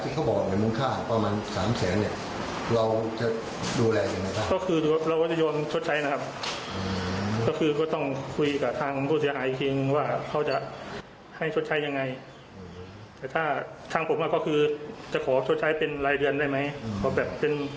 ขอบคุณครับ